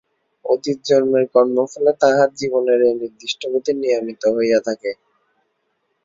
অতীত জন্মের কর্মফলে তাহার জীবনের এই নির্দিষ্ট গতি নিয়মিত হইয়া থাকে।